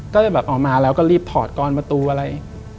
ก็เลยแบบออกมาแล้วก็รีบถอดกรประตูอะไร